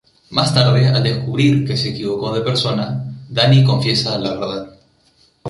Más tarde al descubrir que se equivocó de persona, Dani confiesa la verdad.